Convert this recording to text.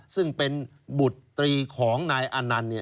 ซึ่งเป็นบุตรีของนายอานันต์